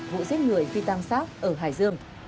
vụ giết người phi tăng sát ở hải dương